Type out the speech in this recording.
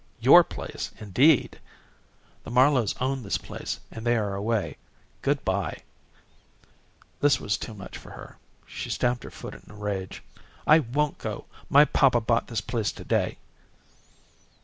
"Your place, indeed. The Marlowes own this place, and they are away. Good bye." This was too much for her. She stamped her foot in rage. "I won't go. My papa bought this place to day."